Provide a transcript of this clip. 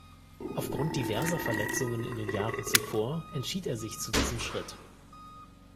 Aufgrund diverser Verletzungen in den Jahren zuvor entschied er sich zu diesem Schritt.